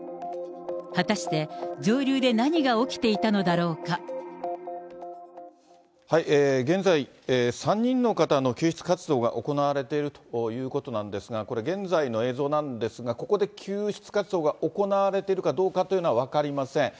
果たして上流で何が起きていたの現在、３人の方の救出活動が行われているということなんですが、これ、現在の映像なんですが、ここで救出活動が行われているかどうかというのは分かりません。